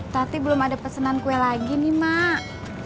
tati belum ada pesenan kue lagi nih mak